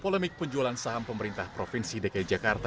polemik penjualan saham pemerintah provinsi dki jakarta